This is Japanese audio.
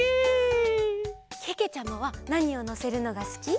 けけちゃまはなにをのせるのがすき？